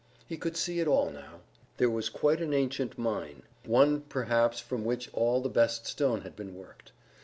He could see it all, now. This was quite an ancient mine, one perhaps from which all the best stone had been worked.